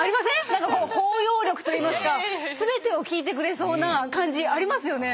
何かこう包容力といいますか全てを聞いてくれそうな感じありますよね。